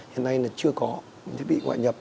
hiện nay là chưa có thiết bị ngoại nhập